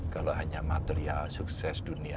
kalau hanya material sukses dunia